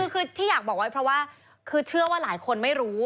คือที่อยากบอกไว้เพราะว่าคือเชื่อว่าหลายคนไม่รู้